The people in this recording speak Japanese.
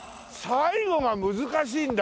最後が着地が難しいんだ。